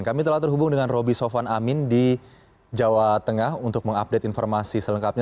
kami telah terhubung dengan roby sofwan amin di jawa tengah untuk mengupdate informasi selengkapnya